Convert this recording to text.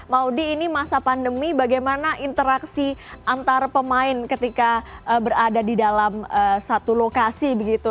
laudy ini masa pandemi bagaimana interaksi antar pemain ketika berada di dalam satu lokasi begitu